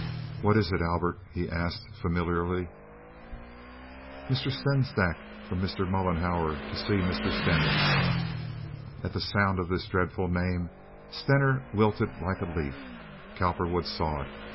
"What is it, Albert?" he asked, familiarly. "Mr. Sengstack from Mr. Mollenhauer to see Mr. Stener." At the sound of this dreadful name Stener wilted like a leaf. Cowperwood saw it.